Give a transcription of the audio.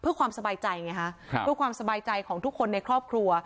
เพื่อความสบายใจไงฮะเพื่อความสบายใจของทุกคนในครอบครัว